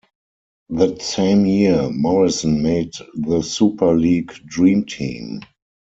That same year, Morrison made the Super League Dream Team.